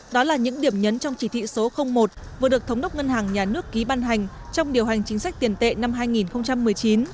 đó là những điểm nhấn trong chỉ thị số một vừa được thống đốc ngân hàng nhà nước ký ban hành trong điều hành chính sách tiền tệ năm hai nghìn một mươi chín